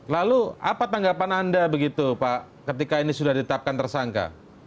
lalu apa tanggapan anda begitu pak ketika ini sudah ditetapkan tersangka